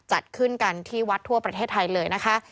จัดขึ้นกันที่วัดทั่วประเทศไทยเลยนะคะ